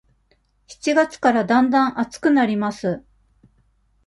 七月からだんだん暑くなります。